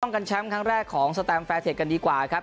กันแชมป์ครั้งแรกของสแตมแฟร์เทคกันดีกว่าครับ